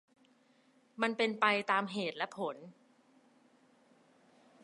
มันเป็นไปตามเหตุและผล